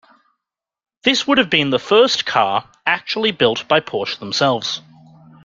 This would have been the first car actually built by Porsche themselves.